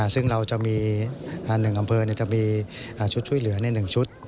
ซึ่งเราจะมี๑อำเภอจะมีชุดช่วยเหลือใน๑ชุด